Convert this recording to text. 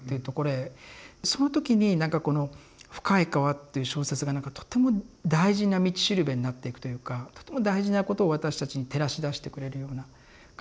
その時になんかこの「深い河」っていう小説がとても大事な道しるべになっていくというかとても大事なことを私たちに照らしだしてくれるような感じがするんですね。